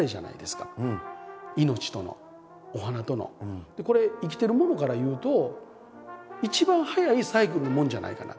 でもこれってでこれ生きてるものから言うと一番早いサイクルのものじゃないかな。